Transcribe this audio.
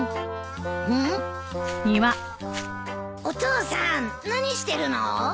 お父さん何してるの？